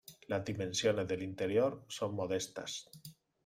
Las dimensiones del interior son modestas.